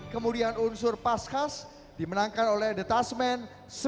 kemudian unsur pas khas dimenangkan oleh the tasman sembilan dua